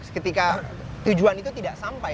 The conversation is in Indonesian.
ketika tujuan itu tidak sampai